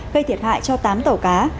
gây thiệt hại cho tám tàu cá